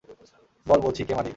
বল বলছি, কে মারি?